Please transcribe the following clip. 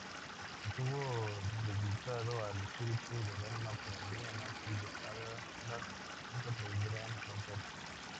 Estuvo dedicado al "espíritu del alma ucraniana, cuyas alas nunca podrán romperse".